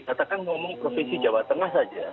katakan ngomong provinsi jawa tengah saja